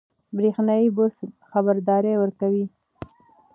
برېښنایي برس خبرداری ورکوي.